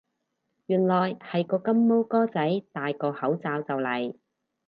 原來係個金毛哥仔戴個口罩就嚟